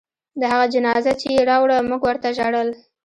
د هغه جنازه چې يې راوړه موږ ورته ژړل.